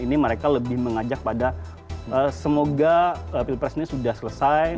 ini mereka lebih mengajak pada semoga pilpres ini sudah selesai